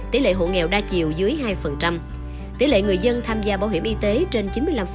tỷ lệ hộ nghèo đa chiều dưới hai tỷ lệ người dân tham gia bảo hiểm y tế trên chín mươi năm